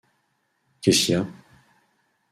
Qu’est-ce qu’il y a